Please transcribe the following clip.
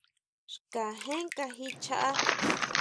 Xkajén kají chjaá.